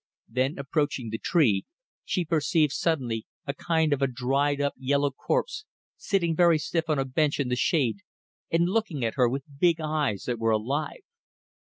Then, approaching the tree, she perceived suddenly a kind of a dried up, yellow corpse, sitting very stiff on a bench in the shade and looking at her with big eyes that were alive.